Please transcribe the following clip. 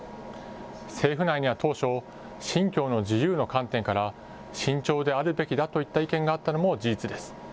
政府内には当初、信教の自由の観点から、慎重であるべきだといった意見があったのも事実です。